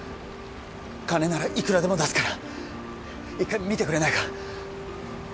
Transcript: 金ならいくらでも出すから一回診てくれないか